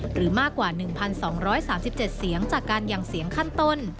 หรือมากกว่า๑๒๓๗เสียงจากการยังเสียงขั้นต้น